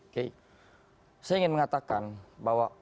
oke saya ingin mengatakan bahwa